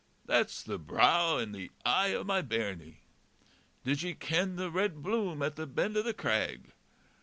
That's the brow and the eye o' my bairnie. Did ye ken the red bloom at the bend o' the crag?